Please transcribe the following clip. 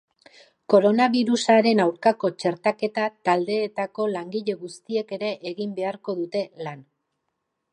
Koronabirusaren aurkako txertaketa-taldeetako langile guztiek ere egin beharko dute lan.